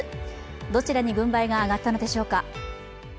どちらに軍配が上がったのでしょうか。